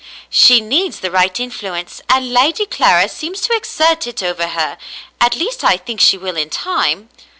"She needs the right influence, and Lady Clara seems to exert it over her — at least I think she will in time."